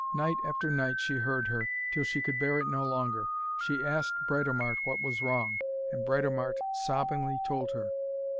Night after night she heard her, till she could bear it no longer. She asked Britomart what was wrong, and Britomart sobbingly told her.